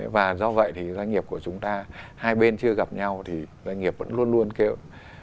và do vậy thì doanh nghiệp của chúng ta hai bên chưa gặp nhau thì doanh nghiệp vẫn luôn luôn kêu